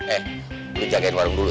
eh lu jagain warung dulu ya